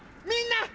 みんな！